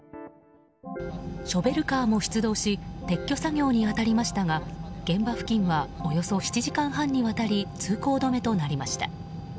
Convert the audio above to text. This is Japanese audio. ショベルカーも出動し撤去作業に当たりましたが現場付近はおよそ７時間半にわたり通行止めとなりました。